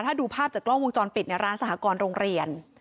ถ้าดูภาพจากกล้องวงจรปิดในร้านสหกรโรงเรียน